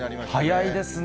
早いですね。